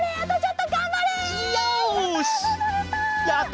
やった！